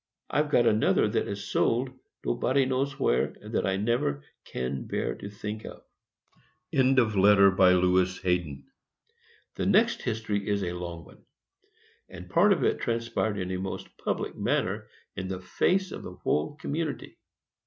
I've got another that is sold nobody knows where, and that I never can bear to think of. LEWIS HAYDEN. The next history is a long one, and part of it transpired in a most public manner, in the face of our whole community.